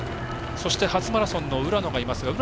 そして初マラソンの浦野がいます。